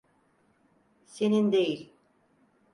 Senin değil.